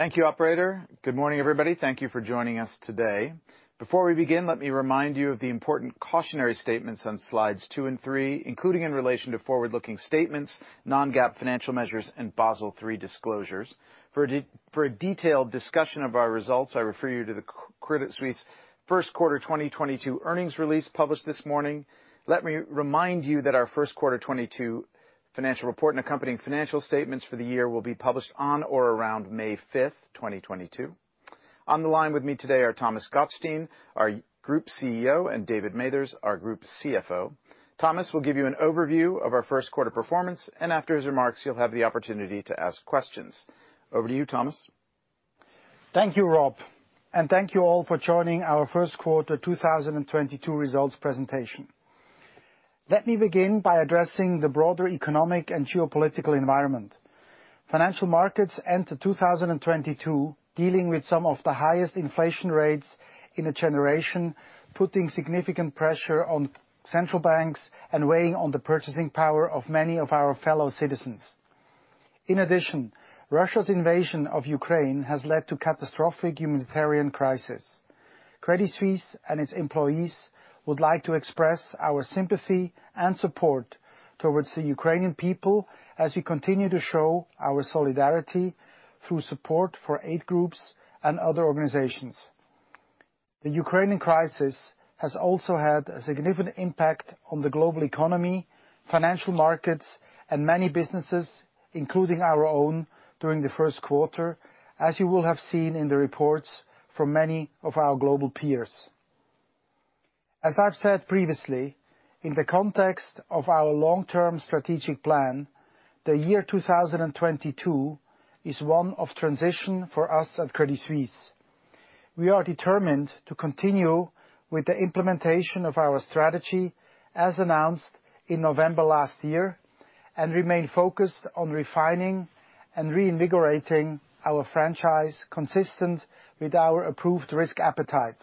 Thank you, operator. Good morning, everybody. Thank you for joining us today. Before we begin, let me remind you of the important cautionary statements on slides 2 and 3, including in relation to forward-looking statements, non-GAAP financial measures, and Basel III disclosures. For a detailed discussion of our results, I refer you to the Credit Suisse first quarter 2022 earnings release published this morning. Let me remind you that our first quarter 2022 financial report and accompanying financial statements for the year will be published on or around May 5, 2022. On the line with me today are Thomas Gottstein, our Group CEO, and David Mathers, our Group CFO. Thomas will give you an overview of our first quarter performance, and after his remarks, you'll have the opportunity to ask questions. Over to you, Thomas. Thank you, Rob, and thank you all for joining our first quarter 2022 results presentation. Let me begin by addressing the broader economic and geopolitical environment. Financial markets entered 2022 dealing with some of the highest inflation rates in a generation, putting significant pressure on central banks and weighing on the purchasing power of many of our fellow citizens. In addition, Russia's invasion of Ukraine has led to catastrophic humanitarian crisis. Credit Suisse and its employees would like to express our sympathy and support towards the Ukrainian people as we continue to show our solidarity through support for aid groups and other organizations. The Ukrainian crisis has also had a significant impact on the global economy, financial markets, and many businesses, including our own, during the first quarter, as you will have seen in the reports from many of our global peers. As I've said previously, in the context of our long-term strategic plan, the year 2022 is one of transition for us at Credit Suisse. We are determined to continue with the implementation of our strategy as announced in November last year, and remain focused on refining and reinvigorating our franchise consistent with our approved risk appetite.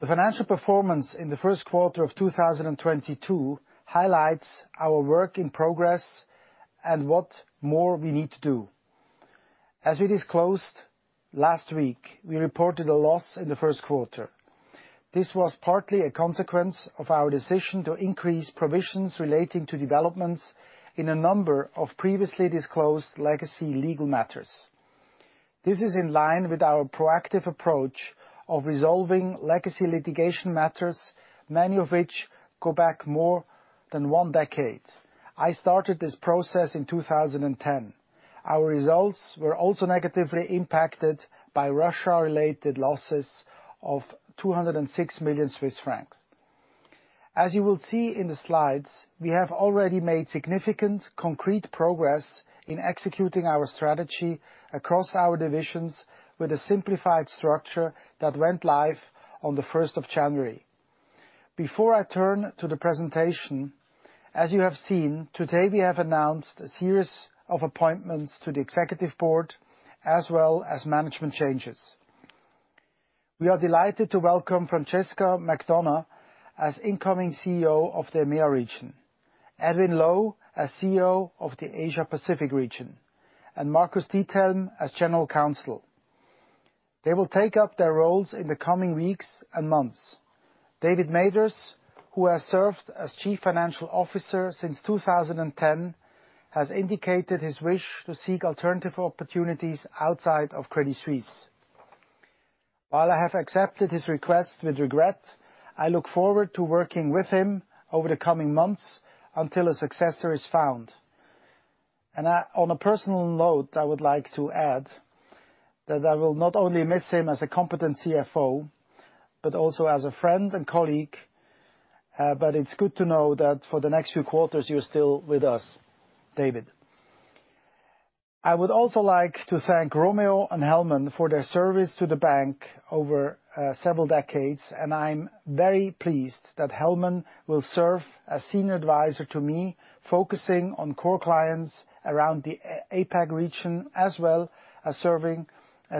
The financial performance in the first quarter of 2022 highlights our work in progress and what more we need to do. As we disclosed last week, we reported a loss in the first quarter. This was partly a consequence of our decision to increase provisions relating to developments in a number of previously disclosed legacy litigation matters. This is in line with our proactive approach of resolving legacy litigation matters, many of which go back more than one decade. I started this process in 2010. Our results were also negatively impacted by Russia-related losses of 206 million Swiss francs. As you will see in the slides, we have already made significant concrete progress in executing our strategy across our divisions with a simplified structure that went live on the first of January. Before I turn to the presentation, as you have seen, today we have announced a series of appointments to the executive board as well as management changes. We are delighted to welcome Francesca McDonagh as incoming CEO of the EMEA region, Edwin Low as CEO of the Asia Pacific region, and Markus Diethelm as General Counsel. They will take up their roles in the coming weeks and months. David Mathers, who has served as Chief Financial Officer since 2010, has indicated his wish to seek alternative opportunities outside of Credit Suisse. While I have accepted his request with regret, I look forward to working with him over the coming months until a successor is found. On a personal note, I would like to add that I will not only miss him as a competent CFO, but also as a friend and colleague. It's good to know that for the next few quarters, you're still with us, David. I would also like to thank Romeo and Helman for their service to the bank over several decades, and I'm very pleased that Helman will serve as senior advisor to me, focusing on core clients around the APAC region, as well as serving as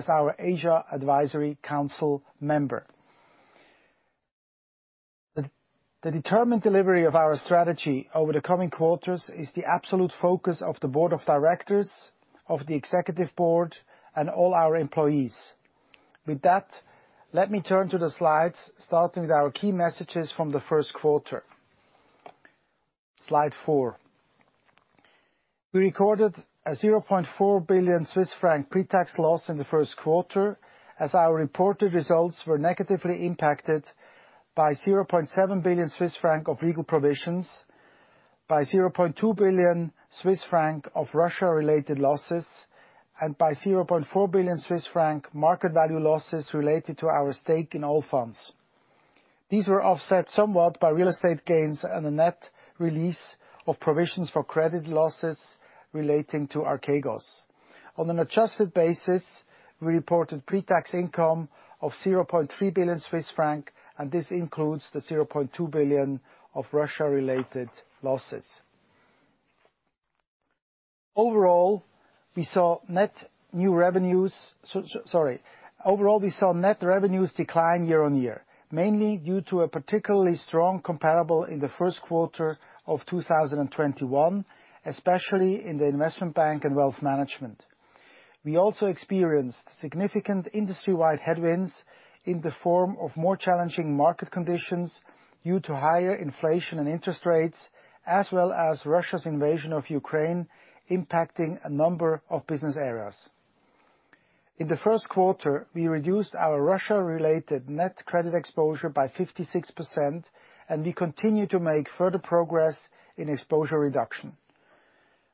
our APAC Advisory Council member. The determined delivery of our strategy over the coming quarters is the absolute focus of the board of directors, of the executive board, and all our employees. With that, let me turn to the slides, starting with our key messages from the first quarter. Slide 4. We recorded a 0.4 billion Swiss franc pre-tax loss in the first quarter, as our reported results were negatively impacted by 0.7 billion Swiss franc of legal provisions, by 0.2 billion Swiss franc of Russia-related losses, and by 0.4 billion Swiss franc market value losses related to our stake in Allfunds. These were offset somewhat by real estate gains and a net release of provisions for credit losses relating to Archegos. On an adjusted basis, we reported pre-tax income of 0.3 billion Swiss franc, and this includes the 0.2 billion of Russia-related losses. Overall, we saw net new revenues. Overall, we saw net revenues decline year-on-year, mainly due to a particularly strong comparable in the first quarter of 2021, especially in the investment bank and wealth management. We also experienced significant industry-wide headwinds in the form of more challenging market conditions due to higher inflation and interest rates, as well as Russia's invasion of Ukraine impacting a number of business areas. In the first quarter, we reduced our Russia-related net credit exposure by 56%, and we continue to make further progress in exposure reduction.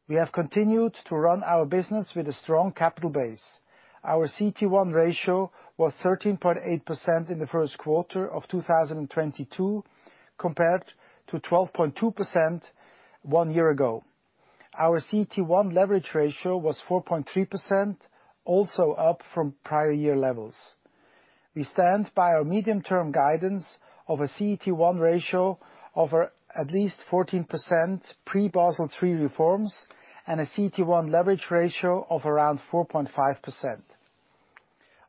We have continued to run our business with a strong capital base. Our CET1 ratio was 13.8% in the first quarter of 2022, compared to 12.2% one year ago. Our CET1 leverage ratio was 4.3%, also up from prior year levels. We stand by our medium-term guidance of a CET1 ratio of at least 14% pre Basel III reforms and a CET1 leverage ratio of around 4.5%.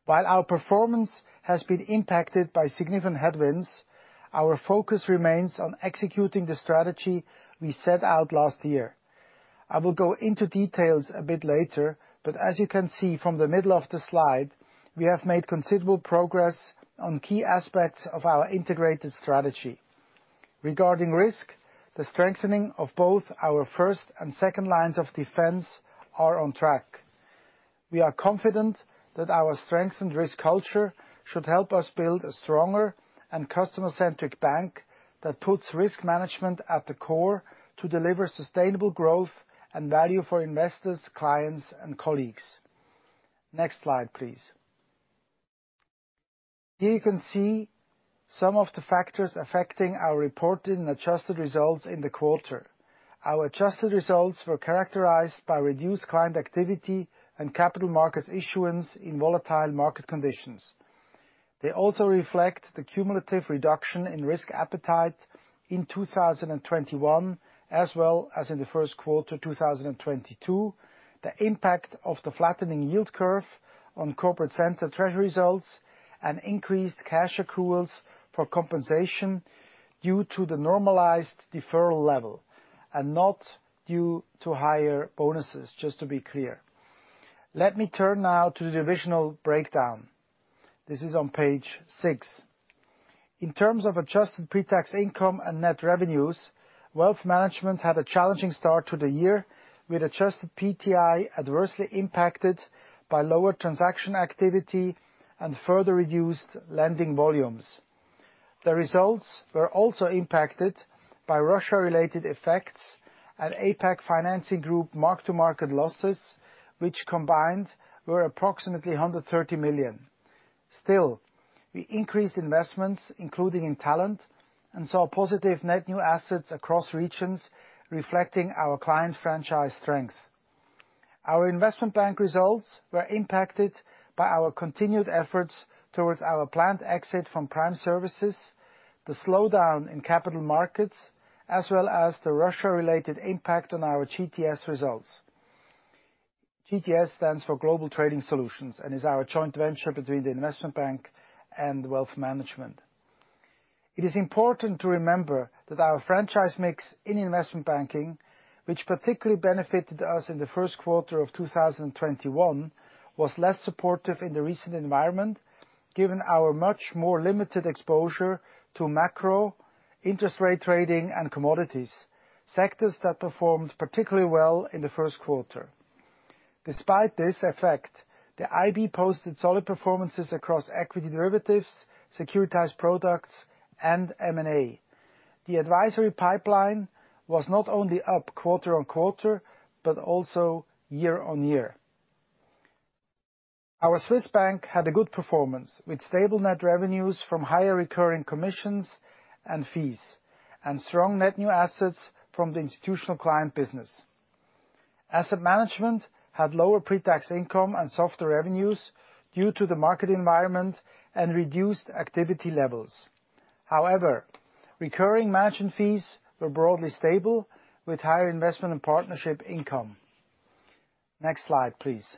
While our performance has been impacted by significant headwinds, our focus remains on executing the strategy we set out last year. I will go into details a bit later, but as you can see from the middle of the slide, we have made considerable progress on key aspects of our integrated strategy. Regarding risk, the strengthening of both our first and second lines of defense are on track. We are confident that our strength and risk culture should help us build a stronger and customer-centric bank that puts risk management at the core to deliver sustainable growth and value for investors, clients, and colleagues. Next slide, please. Here you can see some of the factors affecting our reported and adjusted results in the quarter. Our adjusted results were characterized by reduced client activity and capital markets issuance in volatile market conditions. They also reflect the cumulative reduction in risk appetite in 2021 as well as in the first quarter 2022. The impact of the flattening yield curve on corporate center treasury results and increased cash accruals for compensation due to the normalized deferral level and not due to higher bonuses, just to be clear. Let me turn now to the divisional breakdown. This is on page 6. In terms of adjusted pre-tax income and net revenues, Wealth Management had a challenging start to the year with adjusted PTI adversely impacted by lower transaction activity and further reduced lending volumes. The results were also impacted by Russia-related effects and APAC financing group mark-to-market losses, which combined were approximately 130 million. Still, we increased investments, including in talent, and saw positive net new assets across regions reflecting our client franchise strength. Our investment bank results were impacted by our continued efforts towards our planned exit from Prime Services, the slowdown in capital markets, as well as the Russia-related impact on our GTS results. GTS stands for Global Trading Solutions and is our joint venture between the investment bank and wealth management. It is important to remember that our franchise mix in investment banking, which particularly benefited us in the first quarter of 2021, was less supportive in the recent environment, given our much more limited exposure to macro, interest rate trading, and commodities, sectors that performed particularly well in the first quarter. Despite this effect, the IB posted solid performances across equity derivatives, securitized products, and M&A. The advisory pipeline was not only up quarter-over-quarter, but also year-over-year. Our Swiss bank had a good performance with stable net revenues from higher recurring commissions and fees and strong net new assets from the institutional client business. Asset management had lower pre-tax income and softer revenues due to the market environment and reduced activity levels. However, recurring management fees were broadly stable with higher investment and partnership income. Next slide, please.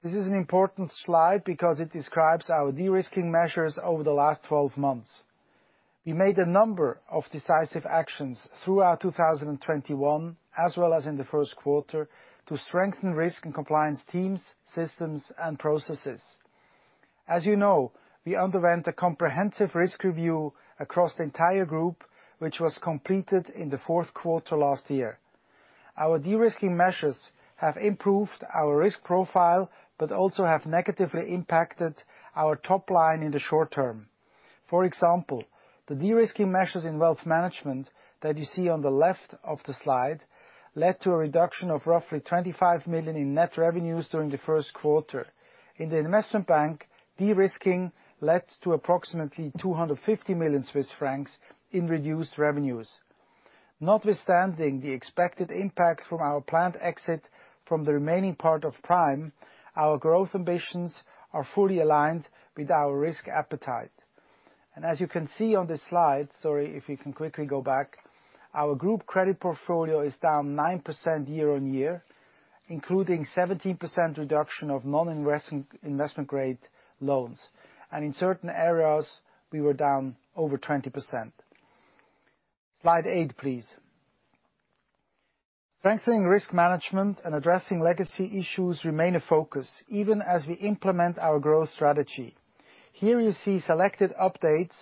This is an important slide because it describes our de-risking measures over the last 12 months. We made a number of decisive actions throughout 2021 as well as in the first quarter to strengthen risk and compliance teams, systems, and processes. As you know, we underwent a comprehensive risk review across the entire group, which was completed in the fourth quarter last year. Our de-risking measures have improved our risk profile, but also have negatively impacted our top line in the short term. For example, the de-risking measures in wealth management that you see on the left of the slide led to a reduction of roughly 25 million in net revenues during the first quarter. In the investment bank, de-risking led to approximately 250 million Swiss francs in reduced revenues. Notwithstanding the expected impact from our planned exit from the remaining part of Prime, our growth ambitions are fully aligned with our risk appetite. As you can see on this slide. Sorry, if you can quickly go back. Our group credit portfolio is down 9% year-on-year, including 17% reduction of non-investment grade loans. In certain areas, we were down over 20%. Slide eight, please. Strengthening risk management and addressing legacy issues remain a focus, even as we implement our growth strategy. Here you see selected updates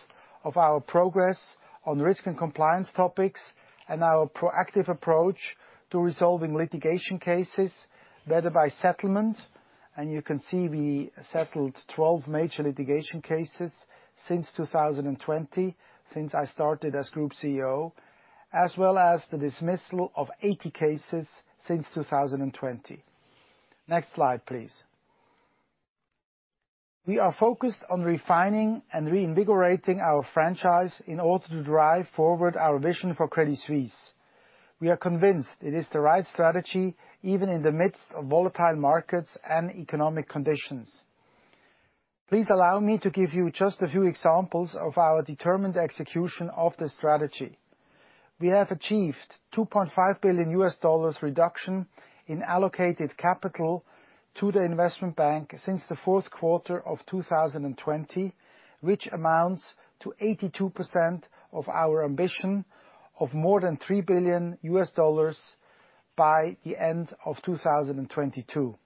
of our progress on risk and compliance topics, and our proactive approach to resolving litigation cases, whether by settlement. You can see we settled 12 major litigation cases since 2020, since I started as Group CEO, as well as the dismissal of 80 cases since 2020. Next slide, please. We are focused on refining and reinvigorating our franchise in order to drive forward our vision for Credit Suisse. We are convinced it is the right strategy, even in the midst of volatile markets and economic conditions. Please allow me to give you just a few examples of our determined execution of this strategy. We have achieved $2.5 billion reduction in allocated capital to the investment bank since the fourth quarter of 2020, which amounts to 82% of our ambition of more than $3 billion by the end of 2022.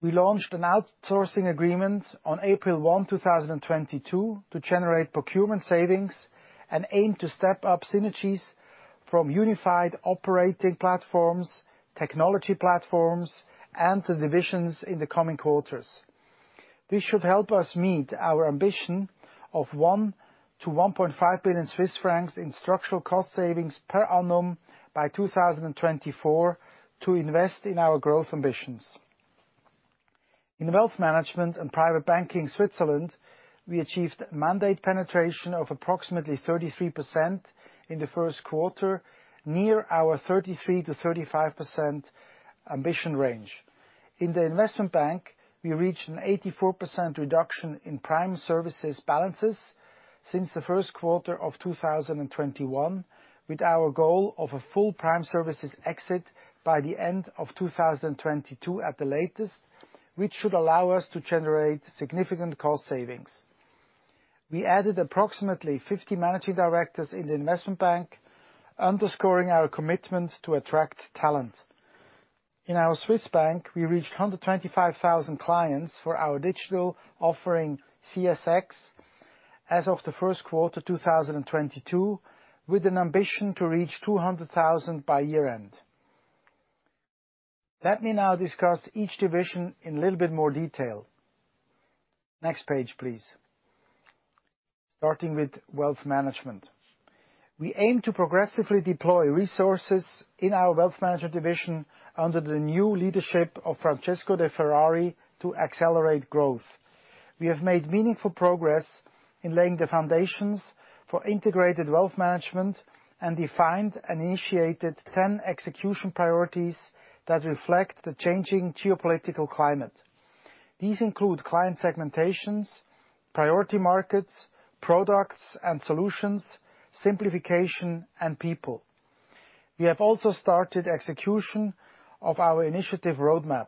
We launched an outsourcing agreement on April 1, 2022, to generate procurement savings and aim to step up synergies from unified operating platforms, technology platforms, and the divisions in the coming quarters. This should help us meet our ambition of 1 billion-1.5 billion Swiss francs in structural cost savings per annum by 2024 to invest in our growth ambitions. In the Wealth Management and Private Banking Switzerland, we achieved mandate penetration of approximately 33% in the first quarter, near our 33%-35% ambition range. In the investment bank, we reached an 84% reduction in prime services balances since the first quarter of 2021, with our goal of a full prime services exit by the end of 2022 at the latest, which should allow us to generate significant cost savings. We added approximately 50 managing directors in the investment bank, underscoring our commitment to attract talent. In our Swiss bank, we reached 125,000 clients for our digital offering, CSX, as of the first quarter 2022, with an ambition to reach 200,000 by year-end. Let me now discuss each division in a little bit more detail. Next page, please. Starting with wealth management. We aim to progressively deploy resources in our wealth management division under the new leadership of Francesco De Ferrari to accelerate growth. We have made meaningful progress in laying the foundations for integrated wealth management and defined and initiated ten execution priorities that reflect the changing geopolitical climate. These include client segmentations, priority markets, products and solutions, simplification, and people. We have also started execution of our initiative roadmap.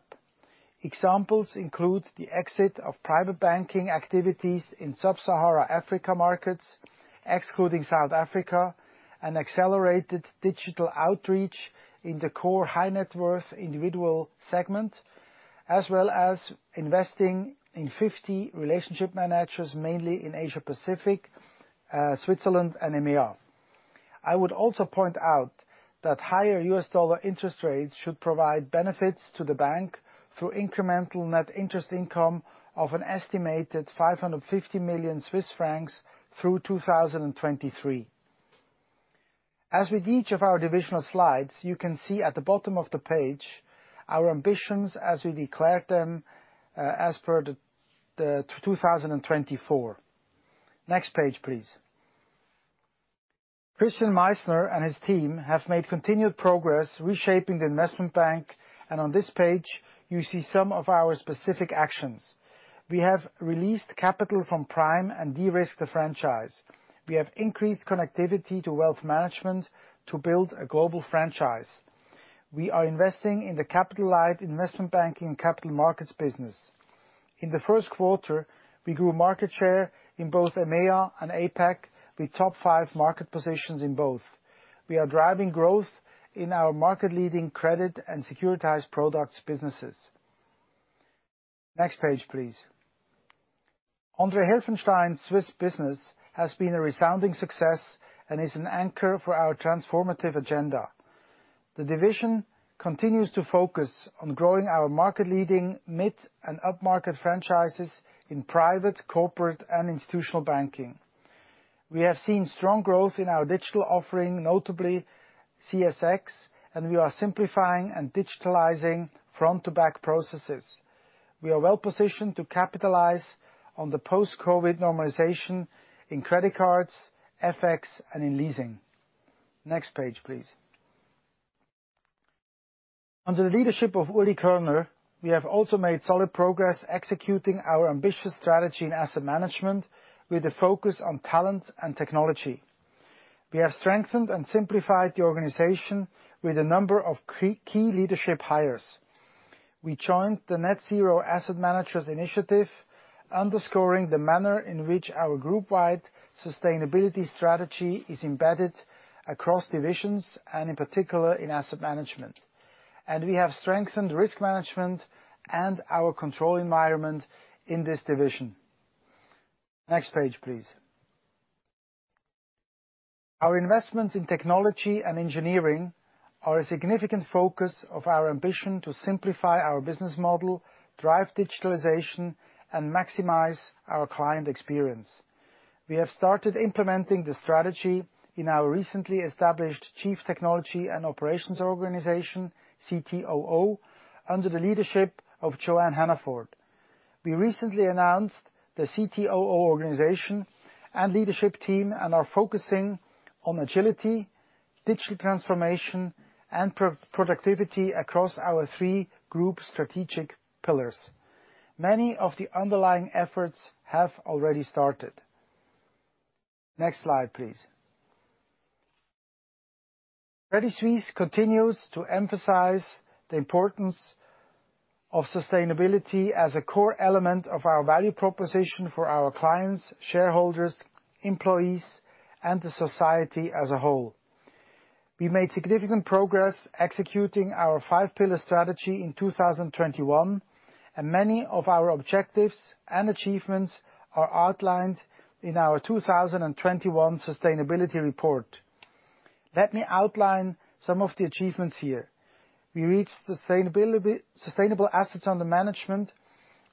Examples include the exit of private banking activities in sub-Saharan Africa markets, excluding South Africa, and accelerated digital outreach in the core high-net-worth individual segment, as well as investing in 50 relationship managers, mainly in Asia-Pacific, Switzerland and EMEA. I would also point out that higher US dollar interest rates should provide benefits to the bank through incremental net interest income of an estimated 550 million Swiss francs through 2023. As with each of our divisional slides, you can see at the bottom of the page our ambitions as we declared them as per the 2024. Next page, please. Christian Meissner and his team have made continued progress reshaping the investment bank, and on this page, you see some of our specific actions. We have released capital from prime and de-risked the franchise. We have increased connectivity to wealth management to build a global franchise. We are investing in the capital-light investment banking and capital markets business. In the first quarter, we grew market share in both EMEA and APAC with top five market positions in both. We are driving growth in our market-leading credit and securitized products businesses. Next page, please. André Helfenstein's Swiss business has been a resounding success and is an anchor for our transformative agenda. The division continues to focus on growing our market-leading mid and upmarket franchises in private, corporate, and institutional banking. We have seen strong growth in our digital offering, notably CSX, and we are simplifying and digitalizing front-to-back processes. We are well-positioned to capitalize on the post-COVID normalization in credit cards, FX, and in leasing. Next page, please. Under the leadership of Ulrich Körner, we have also made solid progress executing our ambitious strategy in asset management with a focus on talent and technology. We have strengthened and simplified the organization with a number of key leadership hires. We joined the Net Zero Asset Managers Initiative underscoring the manner in which our group-wide sustainability strategy is embedded across divisions and in particular in asset management. We have strengthened risk management and our control environment in this division. Next page, please. Our investments in technology and engineering are a significant focus of our ambition to simplify our business model, drive digitalization, and maximize our client experience. We have started implementing the strategy in our recently established Chief Technology and Operations Organization, CTOO, under the leadership of Joanne Hannaford. We recently announced the CTOO organization and leadership team and are focusing on agility, digital transformation, and pro-productivity across our three group strategic pillars. Many of the underlying efforts have already started. Next slide, please. Credit Suisse continues to emphasize the importance of sustainability as a core element of our value proposition for our clients, shareholders, employees, and the society as a whole. We made significant progress executing our five-pillar strategy in 2021, and many of our objectives and achievements are outlined in our 2021 sustainability report. Let me outline some of the achievements here. We reached sustainable assets under management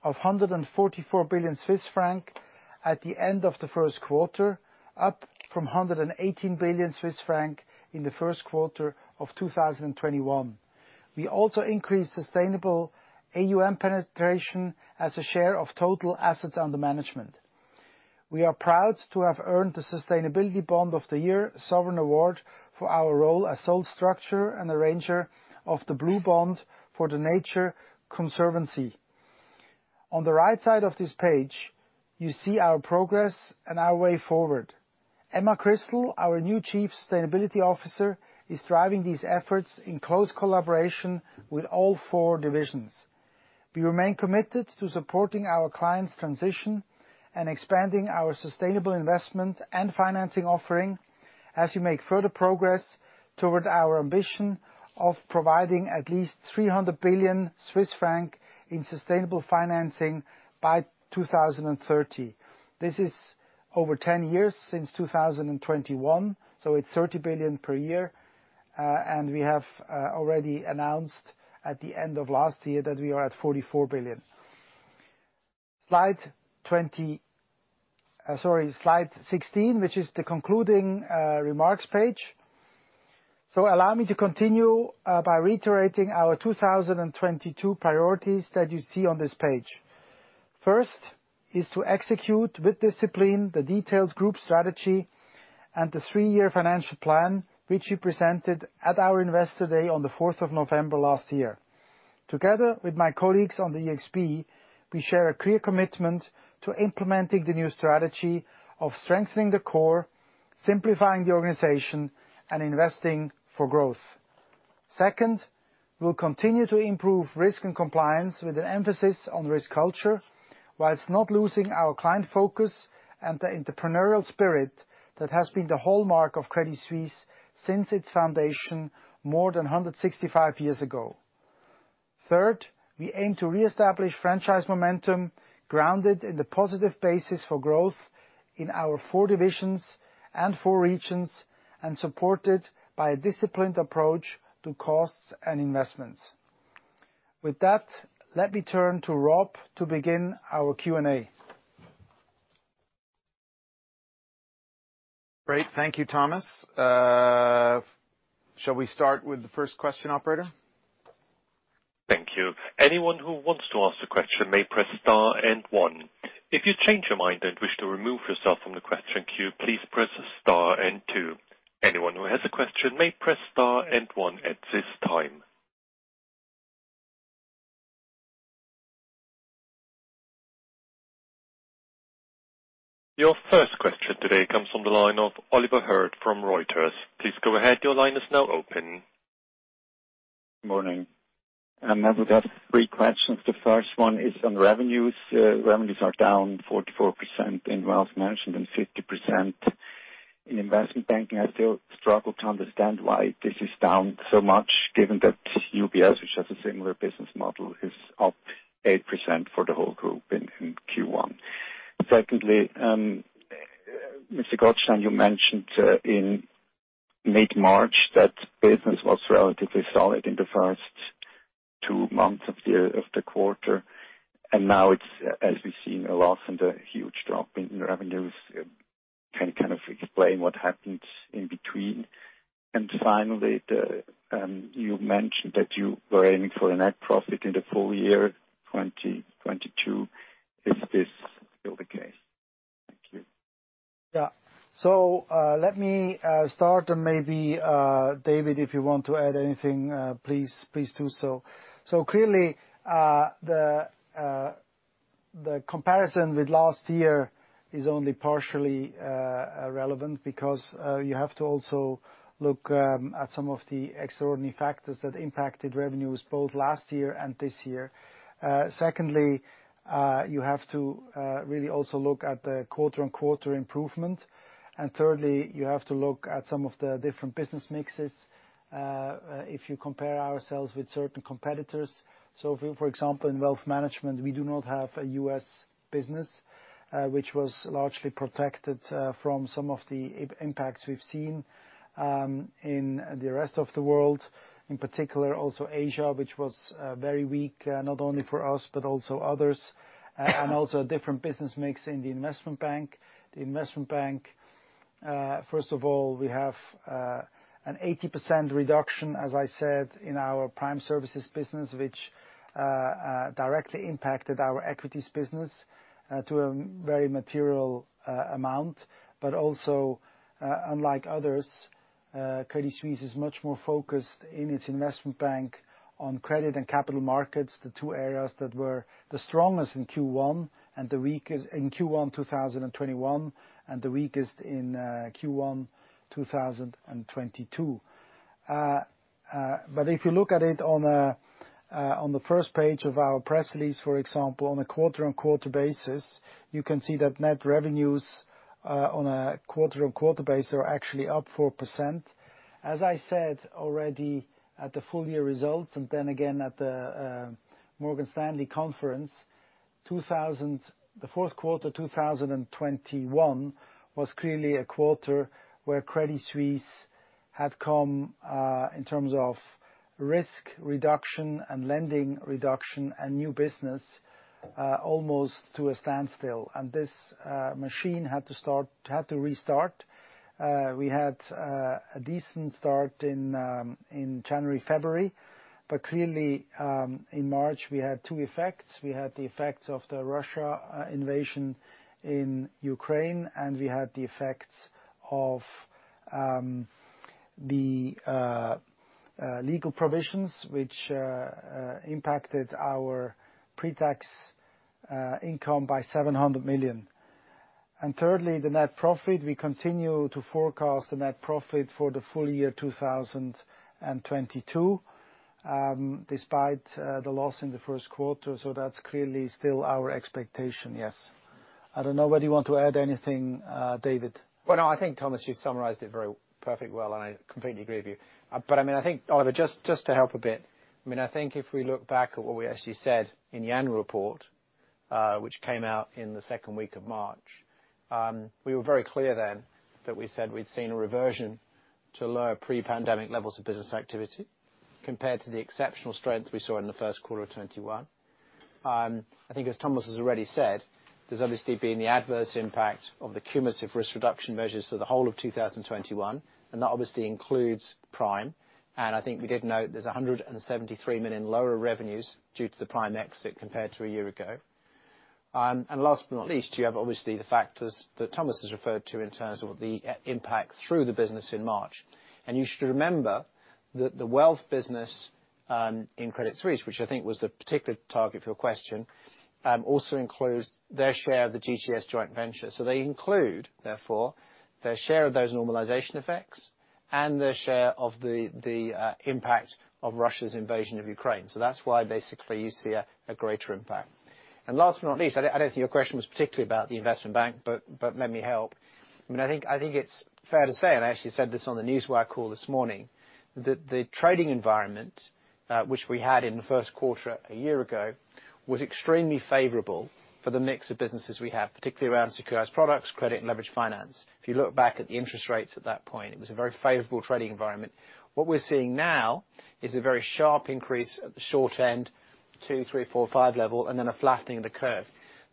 of 144 billion Swiss franc at the end of the first quarter, up from 118 billion Swiss franc in the first quarter of 2021. We also increased sustainable AUM penetration as a share of total assets under management. We are proud to have earned the Sustainability Bond of the Year – Sovereign Award for our role as sole structurer and arranger of the Blue Bond for The Nature Conservancy. On the right side of this page, you see our progress and our way forward. Emma Crystal, our new Chief Sustainability Officer, is driving these efforts in close collaboration with all four divisions. We remain committed to supporting our clients' transition and expanding our sustainable investment and financing offering as we make further progress toward our ambition of providing at least 300 billion Swiss franc in sustainable financing by 2030. This is over 10 years since 2021, so it's 30 billion per year. We have already announced at the end of last year that we are at 44 billion. Slide 16, which is the concluding remarks page. Allow me to continue by reiterating our 2022 priorities that you see on this page. First is to execute with discipline the detailed group strategy and the three-year financial plan which we presented at our Investor Day on the fourth of November last year. Together with my colleagues on the ExB, we share a clear commitment to implementing the new strategy of strengthening the core, simplifying the organization, and investing for growth. Second, we'll continue to improve risk and compliance with an emphasis on risk culture while not losing our client focus and the entrepreneurial spirit that has been the hallmark of Credit Suisse since its foundation more than 165 years ago. Third, we aim to reestablish franchise momentum grounded in the positive basis for growth in our four divisions and four regions, and supported by a disciplined approach to costs and investments. With that, let me turn to Rob to begin our Q&A. Great. Thank you, Thomas. Shall we start with the first question, operator? Thank you. Anyone who wants to ask a question may press star and one. If you change your mind and wish to remove yourself from the question queue, please press star and two. Anyone who has a question may press star and one at this time. Your first question today comes from the line of Oliver Hirt from Reuters. Please go ahead. Your line is now open. Morning. I remember there was 3 questions. The first one is on revenues. Revenues are down 44% in wealth management and 50% in investment banking. I still struggle to understand why this is down so much given that UBS, which has a similar business model, is up 8% for the whole group in Q1. Secondly, Mr. Gottstein, you mentioned in mid-March that business was relatively solid in the first two months of the quarter, and now it's, as we've seen, a loss and a huge drop in revenues. Can you kind of explain what happened in between? Finally, you mentioned that you were aiming for a net profit in the full year 2022. Is this still the case? Thank you. Let me start and maybe, David, if you want to add anything, please do so. Clearly, the comparison with last year is only partially relevant because you have to also look at some of the extraordinary factors that impacted revenues both last year and this year. Secondly, you have to really also look at the quarter-on-quarter improvement. Thirdly, you have to look at some of the different business mixes if you compare ourselves with certain competitors. For example, in wealth management, we do not have a U.S. business which was largely protected from some of the impacts we've seen in the rest of the world, in particular, also Asia, which was very weak not only for us, but also others. Also a different business mix in the investment bank. The investment bank, first of all, we have an 80% reduction, as I said, in our Prime Services business which directly impacted our equities business to a very material amount, but also, unlike others, Credit Suisse is much more focused in its investment bank on credit and capital markets, the two areas that were the strongest in Q1 and the weakest in Q1 2021, and the weakest in Q1 2022. If you look at it on the first page of our press release, for example, on a quarter-on-quarter basis, you can see that net revenues on a quarter-on-quarter basis are actually up 4%. As I said already at the full year results, and then again at the Morgan Stanley conference, the fourth quarter 2021 was clearly a quarter where Credit Suisse had come in terms of risk reduction and lending reduction and new business almost to a standstill. This machine had to restart. We had a decent start in January, February, but clearly in March, we had two effects. We had the effects of the Russian invasion of Ukraine, and we had the effects of the legal provisions which impacted our pre-tax income by 700 million. Thirdly, the net profit. We continue to forecast the net profit for the full year 2022 despite the loss in the first quarter. That's clearly still our expectation, yes. I don't know whether you want to add anything, David. Well, no, I think, Thomas, you summarized it very perfect well, and I completely agree with you. I mean, I think, Oliver, just to help a bit. I mean, I think if we look back at what we actually said in the annual report, which came out in the second week of March, we were very clear then that we said we'd seen a reversion to lower pre-pandemic levels of business activity compared to the exceptional strength we saw in the first quarter of 2021. I think as Thomas has already said, there's obviously been the adverse impact of the cumulative risk reduction measures for the whole of 2021, and that obviously includes Prime. And I think we did note there's 173 million lower revenues due to the Prime exit compared to a year ago. Last but not least, you have obviously the factors that Thomas has referred to in terms of the impact through the business in March. You should remember that the wealth business in Credit Suisse, which I think was the particular target for your question, also includes their share of the GTS joint venture. They include, therefore, their share of those normalization effects and their share of the impact of Russia's invasion of Ukraine. That's why basically you see a greater impact. Last but not least, I don't think your question was particularly about the investment bank, but let me help. I mean, I think it's fair to say, and I actually said this on the newswire call this morning, that the trading environment, which we had in the first quarter a year ago was extremely favorable for the mix of businesses we have, particularly around securitized products, credit, and leverage finance. If you look back at the interest rates at that point, it was a very favorable trading environment. What we're seeing now is a very sharp increase at the short end, 2, 3, 4, 5 level, and then a flattening of the curve.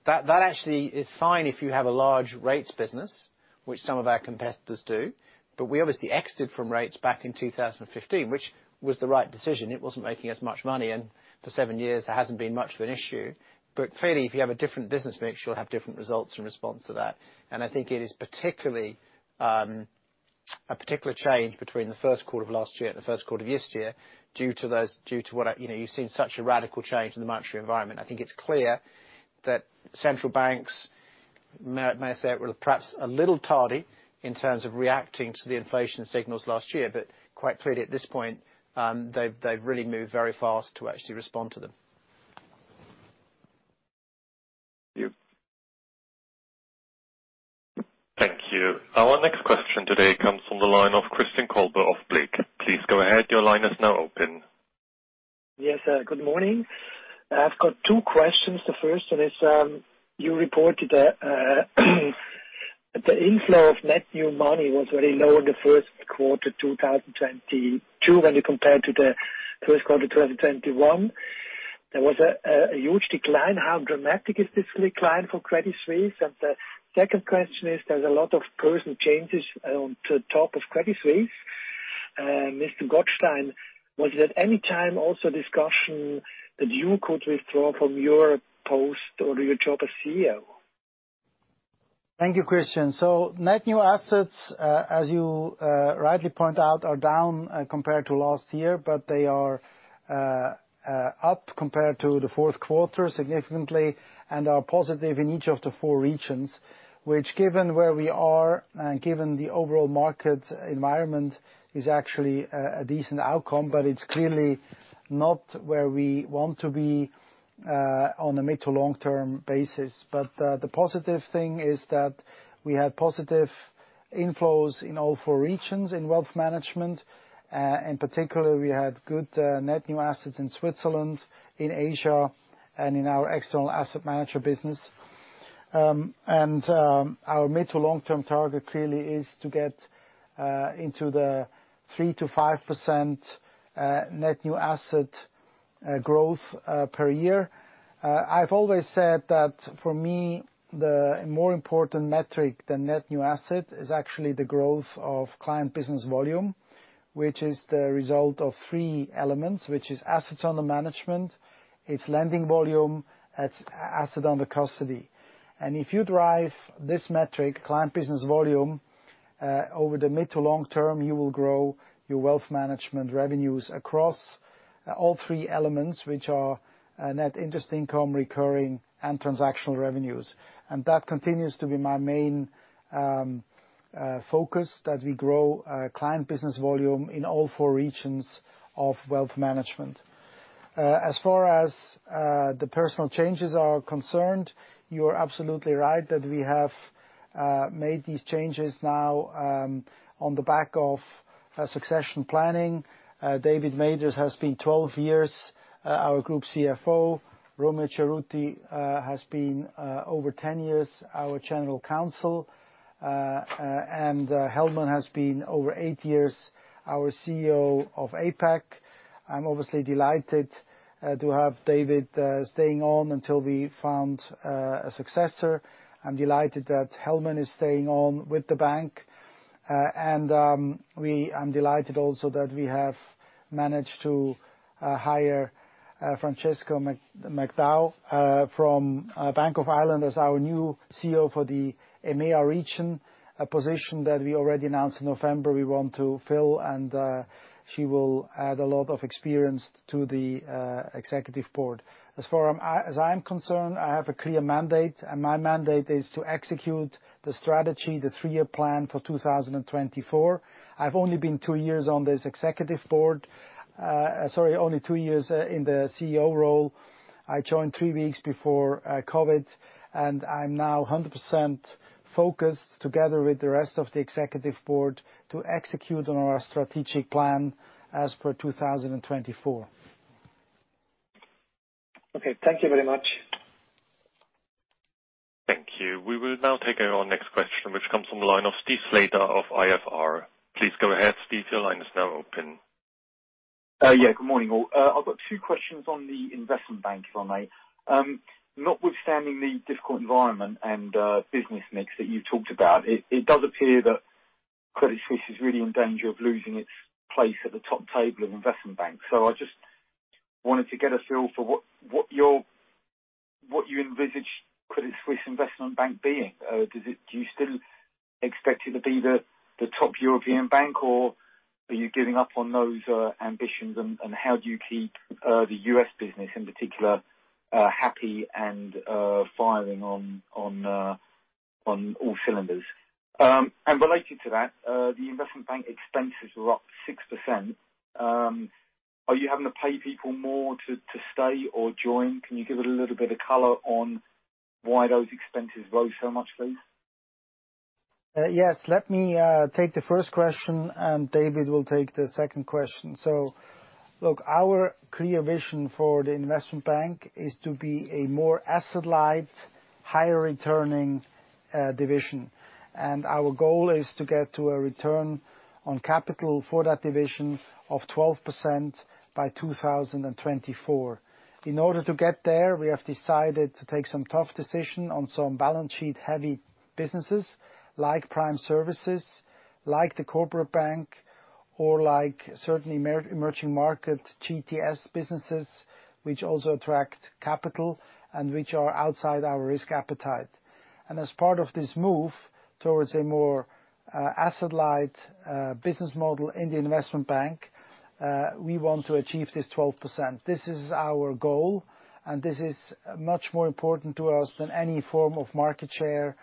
That actually is fine if you have a large rates business, which some of our competitors do, but we obviously exited from rates back in 2015, which was the right decision. It wasn't making us much money, and for seven years, there hasn't been much of an issue. Clearly, if you have a different business mix, you'll have different results in response to that. I think it is particularly a particular change between the first quarter of last year and the first quarter of this year due to, you know, you've seen such a radical change in the monetary environment. I think it's clear that central banks, may I say it, were perhaps a little tardy in terms of reacting to the inflation signals last year. Quite clearly at this point, they've really moved very fast to actually respond to them. Thank you. Thank you. Our next question today comes from the line of Christian Kolb of Blick. Please go ahead. Your line is now open. Yes, good morning. I've got two questions. The first one is, you reported that, the inflow of net new money was very low in the first quarter 2022 when you compare to the first quarter 2021. There was a huge decline. How dramatic is this decline for Credit Suisse? The second question is, there's a lot of personnel changes on the top of Credit Suisse. Mr. Gottstein, was it at any time also a discussion that you could withdraw from your post or your job as CEO? Thank you, Christian. Net new assets, as you rightly point out, are down compared to last year, but they are up compared to the fourth quarter significantly and are positive in each of the four regions. Which, given where we are and given the overall market environment, is actually a decent outcome, but it's clearly not where we want to be on a mid- to long-term basis. The positive thing is that we had positive inflows in all four regions in wealth management. In particular, we had good net new assets in Switzerland, in Asia, and in our external asset manager business. Our mid- to long-term target really is to get into the 3%-5% net new asset growth per year. I've always said that for me, the more important metric than net new asset is actually the growth of client business volume, which is the result of three elements, which is assets under management, its lending volume, its asset under custody. If you derive this metric, client business volume, over the mid to long term, you will grow your wealth management revenues across all three elements, which are a net interest income recurring and transactional revenues. That continues to be my main focus, that we grow client business volume in all four regions of wealth management. As far as the personal changes are concerned, you're absolutely right that we have made these changes now on the back of a succession planning. David Mathers has been 12 years our Group CFO. Romeo Cerutti has been over 10 years our General Counsel. Helman has been over eight years our CEO of APAC. I'm obviously delighted to have David staying on until we found a successor. I'm delighted that Helman is staying on with the bank. I'm delighted also that we have managed to hire Francesca McDonagh from Bank of Ireland as our new CEO for the EMEA region, a position that we already announced in November we want to fill, and she will add a lot of experience to the Executive Board. As far as I'm concerned, I have a clear mandate, and my mandate is to execute the strategy, the three-year plan for 2024. I've only been two years on this Executive Board. Sorry, only two years in the CEO role. I joined three weeks before COVID, and I'm now 100% focused together with the rest of the Executive Board to execute on our strategic plan as per 2024. Okay, thank you very much. Thank you. We will now take our next question, which comes from the line of Steve Slater of IFR. Please go ahead, Steve. Your line is now open. Yeah, good morning, all. I've got two questions on the investment bank, if I may. Notwithstanding the difficult environment and business mix that you've talked about, it does appear that Credit Suisse is really in danger of losing its place at the top table of investment banks. I just wanted to get a feel for what you envisage Credit Suisse investment bank being. Do you still expect it to be the top European bank, or are you giving up on those ambitions, and how do you keep the U.S. business in particular happy and firing on all cylinders? Related to that, the investment bank expenses were up 6%. Are you having to pay people more to stay or join? Can you give it a little bit of color on why those expenses rose so much, please? Yes. Let me take the first question, and David will take the second question. Look, our clear vision for the investment bank is to be a more asset light, higher returning division. Our goal is to get to a return on capital for that division of 12% by 2024. In order to get there, we have decided to take some tough decision on some balance sheet-heavy businesses, like Prime Services, like the corporate bank, or like certain emerging market GTS businesses, which also attract capital and which are outside our risk appetite. As part of this move towards a more asset light business model in the investment bank, we want to achieve this 12%. This is our goal, and this is much more important to us than any form of market share,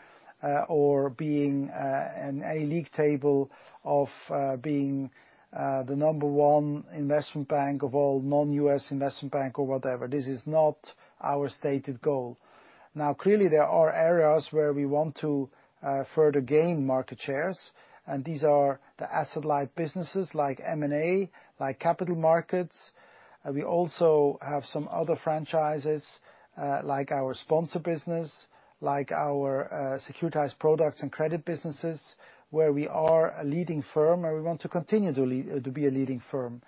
or being in any league table of the number one investment bank of all non-U.S. investment bank or whatever. This is not our stated goal. Now, clearly, there are areas where we want to further gain market shares, and these are the asset light businesses like M&A, like capital markets. We also have some other franchises, like our sponsor business, like our securitized products and credit businesses, where we are a leading firm, and we want to continue to lead to be a leading firm.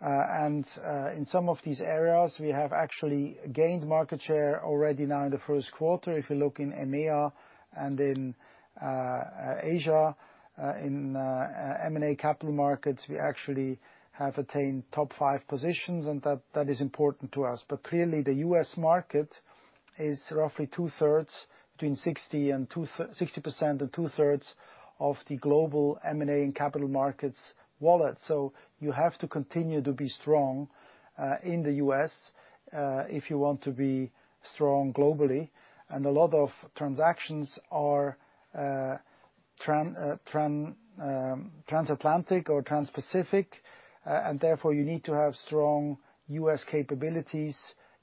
In some of these areas, we have actually gained market share already now in the first quarter. If you look in EMEA and in Asia, in M&A capital markets, we actually have attained top 5 positions, and that is important to us. Clearly, the U.S. market is roughly two-thirds between 60% and two-thirds of the global M&A and capital markets wallet. You have to continue to be strong in the U.S. if you want to be strong globally. A lot of transactions are transatlantic or Trans-Pacific, and therefore you need to have strong U.S. capabilities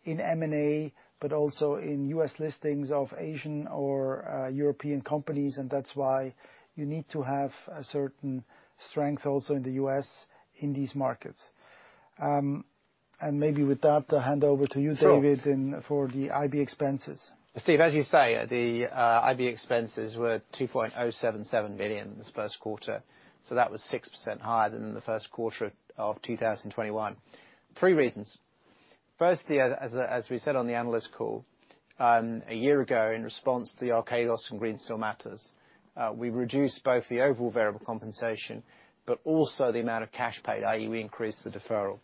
in M&A, but also in U.S. listings of Asian or European companies. That's why you need to have a certain strength also in the U.S. in these markets. Maybe with that, I'll hand over to you, David Mathers. So- For the IB expenses. Steve, as you say, the IB expenses were 2.077 billion this first quarter, so that was 6% higher than the first quarter of 2021. Three reasons. Firstly, as we said on the analyst call, a year ago in response to the Archegos loss from Greensill matters, we reduced both the overall variable compensation but also the amount of cash paid, i.e. we increased the deferral.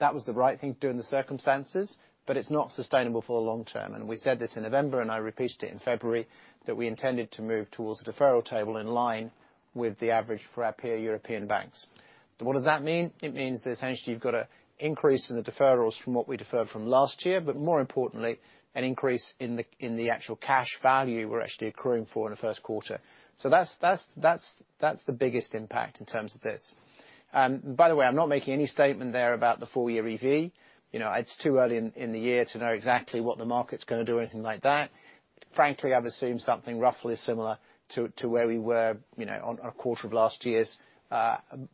That was the right thing to do in the circumstances, but it's not sustainable for the long term. We said this in November, and I repeated it in February, that we intended to move towards the deferral table in line with the average for our peer European banks. What does that mean? It means that essentially you've got an increase in the deferrals from what we deferred from last year, but more importantly, an increase in the actual cash value we're actually accruing for in the first quarter. That's the biggest impact in terms of this. By the way, I'm not making any statement there about the full year EV. You know, it's too early in the year to know exactly what the market's gonna do or anything like that. Frankly, I've assumed something roughly similar to where we were, you know, on our quarter of last year's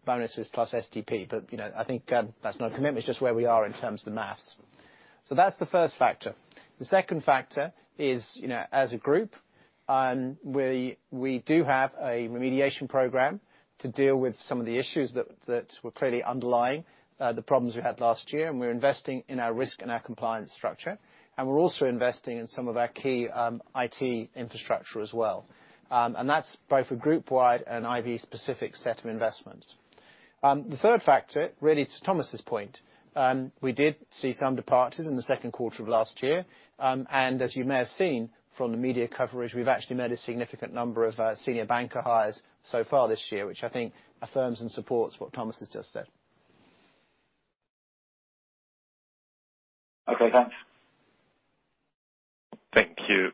bonuses plus STI. You know, I think that's not a commitment, it's just where we are in terms of the math. That's the first factor. The second factor is, you know, as a group, we do have a remediation program to deal with some of the issues that were clearly underlying the problems we had last year. We're investing in our risk and our compliance structure. We're also investing in some of our key IT infrastructure as well. That's both a group-wide and IB-specific set of investments. The third factor, really to Thomas's point, we did see some departures in the second quarter of last year. As you may have seen from the media coverage, we've actually made a significant number of senior banker hires so far this year, which I think affirms and supports what Thomas has just said. Okay, thanks. Thank you.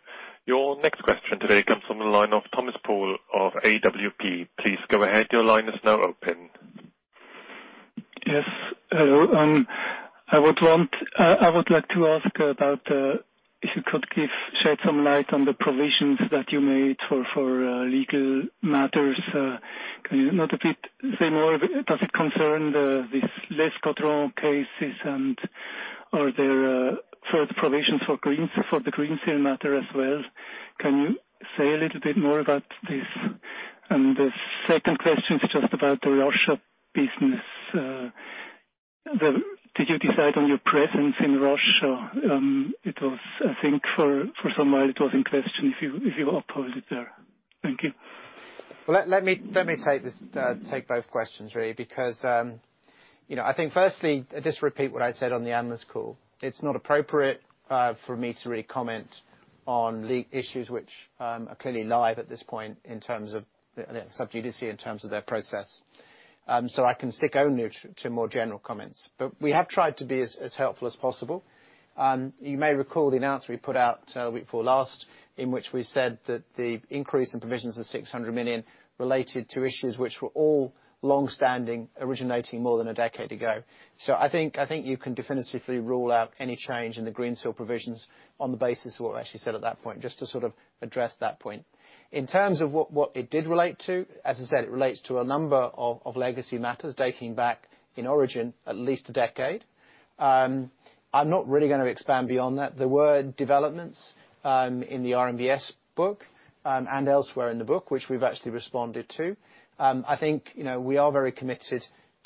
Your next question today comes from the line of Thomas Baur of AWP. Please go ahead. Your line is now open. Yes. Hello, I would like to ask about if you could shed some light on the provisions that you made for legal matters. Can you say a bit more? Does it concern this legacy litigation cases and are there further provisions for the Greensill matter as well? Can you say a little bit more about this? The second question is just about the Russia business. Did you decide on your presence in Russia? It was, I think for some while it was in question if you operate there. Thank you. Well, let me take both questions really, because, you know, I think firstly, just repeat what I said on the analyst call. It's not appropriate for me to really comment on issues which are clearly live at this point in terms of, you know, sub judice in terms of their process. I can stick only to more general comments. We have tried to be as helpful as possible. You may recall the announcement we put out a week before last in which we said that the increase in provisions of 600 million related to issues which were all long-standing, originating more than a decade ago. I think you can definitively rule out any change in the Greensill provisions on the basis of what I actually said at that point, just to sort of address that point. In terms of what it did relate to, as I said, it relates to a number of legacy matters dating back in origin at least a decade. I'm not really gonna expand beyond that. There were developments in the RMBS book and elsewhere in the book, which we've actually responded to. I think, you know, we are very committed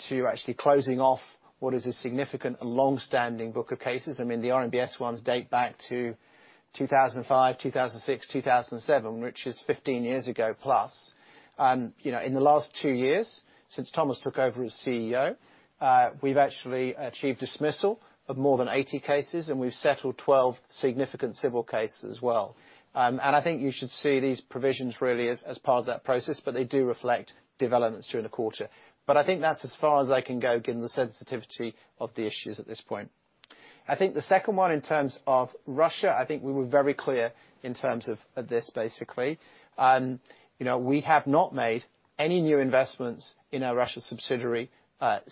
to actually closing off what is a significant and long-standing book of cases. I mean, the RMBS ones date back to 2005, 2006, 2007, which is 15 years ago plus. You know, in the last two years since Thomas took over as CEO, we've actually achieved dismissal of more than 80 cases, and we've settled 12 significant civil cases as well. I think you should see these provisions really as part of that process, but they do reflect developments during the quarter. I think that's as far as I can go, given the sensitivity of the issues at this point. I think the second one in terms of Russia, I think we were very clear in terms of this basically. You know, we have not made any new investments in our Russia subsidiary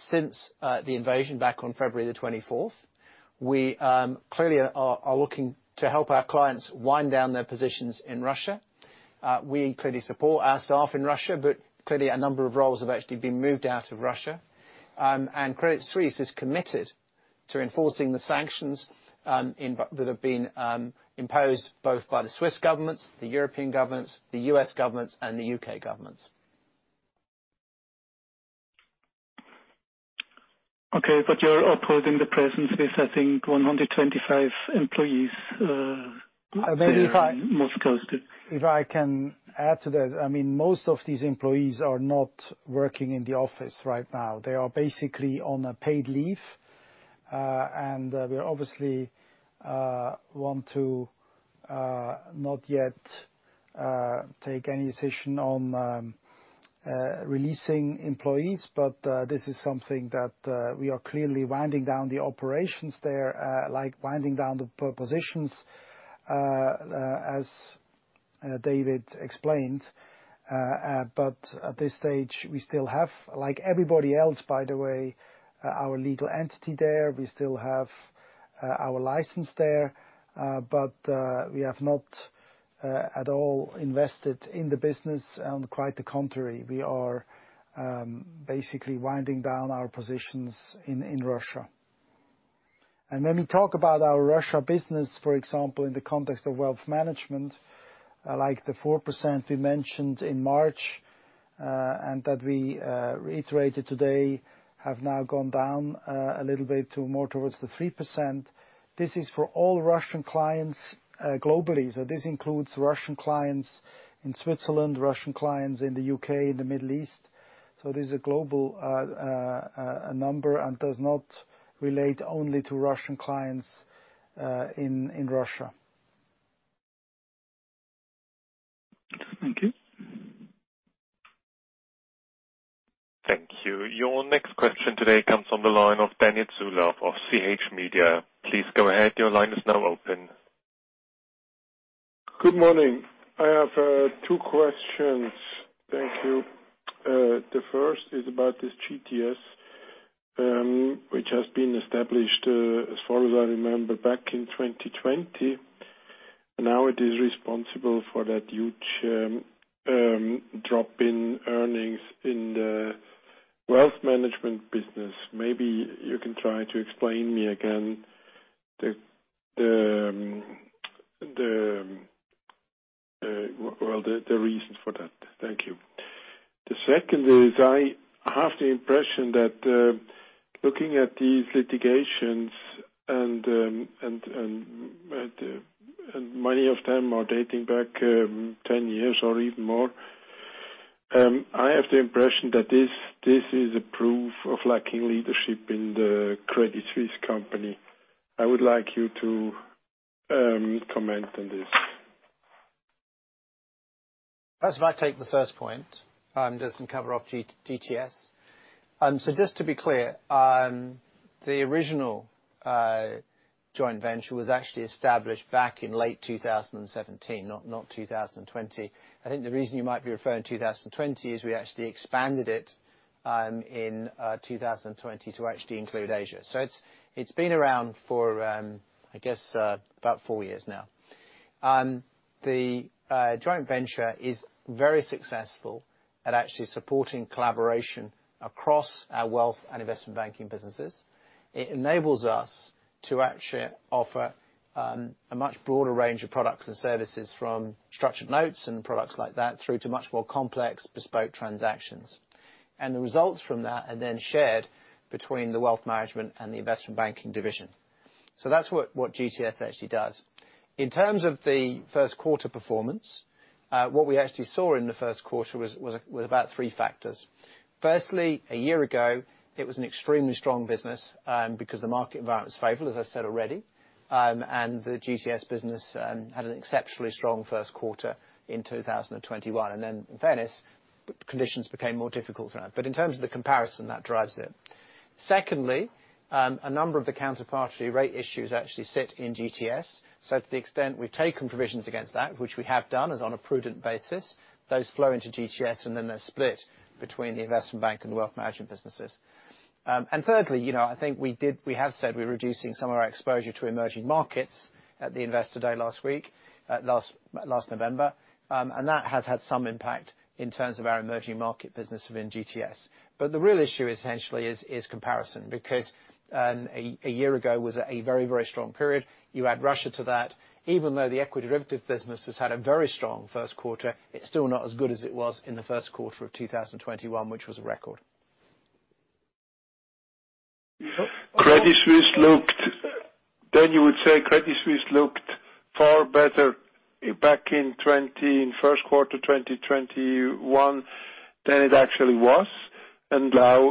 since the invasion back on February the twenty-fourth. We clearly are looking to help our clients wind down their positions in Russia. We clearly support our staff in Russia, but clearly a number of roles have actually been moved out of Russia. Credit Suisse is committed to enforcing the sanctions that have been imposed both by the Swiss governments, the European governments, the U.S. governments, and the U.K. governments. Okay. You're upholding the presence with, I think, 125 employees. Maybe if I- In Moscow still. If I can add to that. I mean, most of these employees are not working in the office right now. They are basically on a paid leave, and we obviously want to not yet take any decision on releasing employees, but this is something that we are clearly winding down the operations there, like winding down the prop positions, as David explained. At this stage, we still have, like everybody else, by the way, our legal entity there. We still have our license there, but we have not at all invested in the business. On quite the contrary, we are basically winding down our positions in Russia. When we talk about our Russia business, for example, in the context of wealth management, like the 4% we mentioned in March, and that we reiterated today, have now gone down a little bit to more towards the 3%. This is for all Russian clients globally. This includes Russian clients in Switzerland, Russian clients in the UK, in the Middle East. This is a global number and does not relate only to Russian clients in Russia. Thank you. Thank you. Your next question today comes from the line of Daniel Zulauf of CH Media. Please go ahead. Your line is now open. Good morning. I have two questions. Thank you. The first is about this GTS, which has been established, as far as I remember, back in 2020. Now it is responsible for that huge drop in earnings in the wealth management business. Maybe you can try to explain me again the reason for that. Thank you. The second is I have the impression that, looking at these litigations and many of them are dating back 10 years or even more, I have the impression that this is a proof of lacking leadership in the Credit Suisse company. I would like you to comment on this. Perhaps if I take the first point, just cover off GTS. So just to be clear, the original joint venture was actually established back in late 2017, not 2020. I think the reason you might be referring to 2020 is we actually expanded it in 2020 to actually include Asia. It's been around for, I guess, about 4 years now. The joint venture is very successful at actually supporting collaboration across our wealth and investment banking businesses. It enables us to actually offer a much broader range of products and services from structured notes and products like that through to much more complex bespoke transactions. The results from that are then shared between the wealth management and the investment banking division. That's what GTS actually does. In terms of the first quarter performance, what we actually saw in the first quarter was about three factors. Firstly, a year ago, it was an extremely strong business, because the market environment was favorable, as I've said already. The GTS business had an exceptionally strong first quarter in 2021. Then in fairness, conditions became more difficult for that. In terms of the comparison that drives it. Secondly, a number of the counterparty rate issues actually sit in GTS. To the extent we've taken provisions against that, which we have done is on a prudent basis. Those flow into GTS, and then they're split between the investment bank and wealth management businesses. Thirdly, you know, I think we have said we're reducing some of our exposure to emerging markets at the investor day last week, last November. That has had some impact in terms of our emerging market business within GTS. The real issue essentially is comparison, because a year ago was a very strong period. You add Russia to that. Even though the equity derivative business has had a very strong first quarter, it's still not as good as it was in the first quarter of 2021, which was a record. You would say Credit Suisse looked far better back in first quarter 2021 than it actually was, and now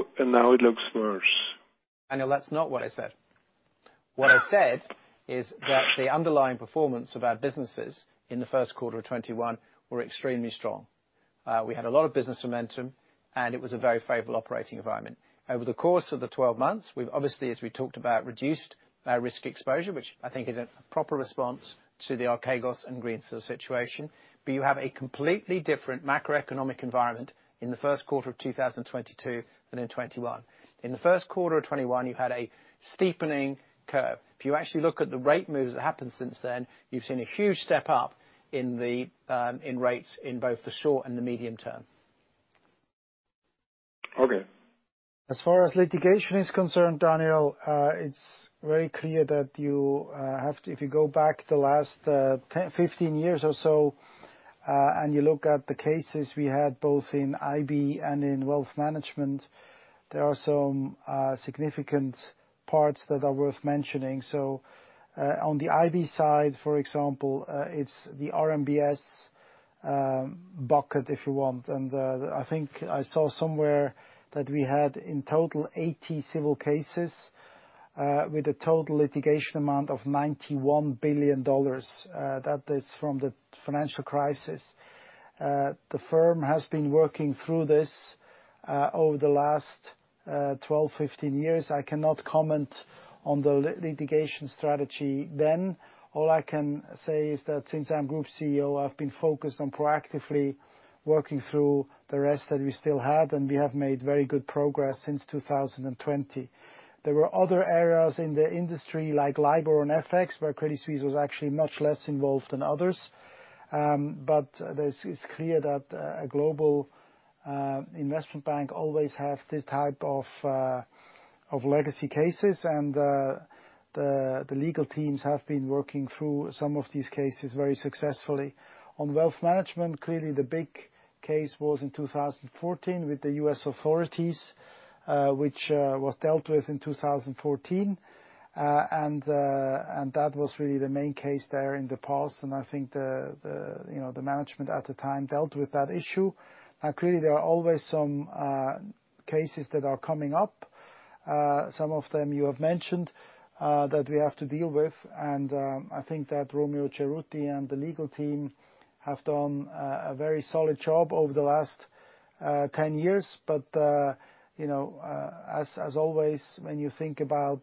it looks worse. Daniel, that's not what I said. What I said is that the underlying performance of our businesses in the first quarter of 2021 were extremely strong. We had a lot of business momentum, and it was a very favorable operating environment. Over the course of the 12 months, we've obviously, as we talked about, reduced our risk exposure, which I think is a proper response to the Archegos and Greensill situation. You have a completely different macroeconomic environment in the first quarter of 2022 than in 2021. In the first quarter of 2021, you had a steepening curve. If you actually look at the rate moves that happened since then, you've seen a huge step up in the rates in both the short and the medium term. Okay. As far as litigation is concerned, Daniel, it's very clear that you have to. If you go back the last 10, 15 years or so, and you look at the cases we had both in IB and in wealth management, there are some significant parts that are worth mentioning. On the IB side, for example, it's the RMBS bucket, if you want. I think I saw somewhere that we had in total 80 civil cases with a total litigation amount of $91 billion. That is from the financial crisis. The firm has been working through this over the last 12, 15 years. I cannot comment on the litigation strategy then. All I can say is that since I'm Group CEO, I've been focused on proactively working through the rest that we still have, and we have made very good progress since 2020. There were other areas in the industry like LIBOR and FX, where Credit Suisse was actually much less involved than others. It is clear that a global investment bank always have this type of of legacy cases. The legal teams have been working through some of these cases very successfully. On wealth management, clearly, the big case was in 2014 with the U.S. authorities, which was dealt with in 2014. That was really the main case there in the past, and I think the you know, the management at the time dealt with that issue. Clearly, there are always some cases that are coming up, some of them you have mentioned, that we have to deal with. I think that Romeo Cerutti and the legal team have done a very solid job over the last 10 years. You know, as always, when you think about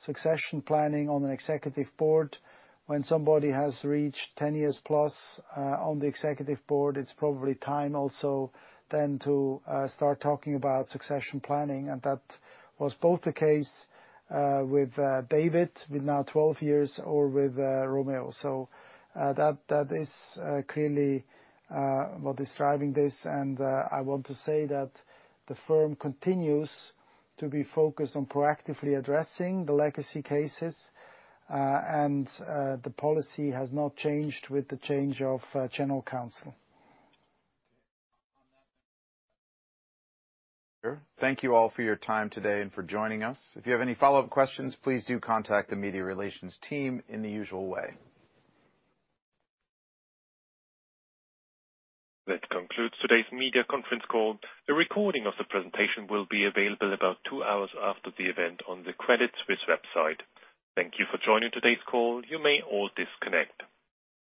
succession planning on an executive board, when somebody has reached 10 years plus on the executive board, it's probably time also then to start talking about succession planning. That was both the case with David, with now 12 years or with Romeo. That is clearly what is driving this. I want to say that the firm continues to be focused on proactively addressing the legacy cases. The policy has not changed with the change of General Counsel. Thank you all for your time today and for joining us. If you have any follow-up questions, please do contact the media relations team in the usual way. That concludes today's media conference call. A recording of the presentation will be available about two hours after the event on the Credit Suisse website. Thank you for joining today's call. You may all disconnect.